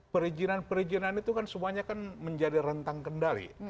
perizinan perizinan itu kan semuanya kan menjadi rentang kendali